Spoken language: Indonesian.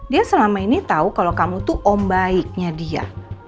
dia selama ini tahu kalau kamu tuh om baiknya dia